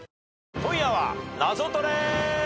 『今夜はナゾトレ』！